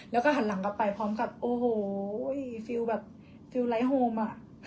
แล้วก็หันหลังกลับไปพร้อมกับโอ้โหฟิลแบบฟิลไลท์โฮมอ่ะ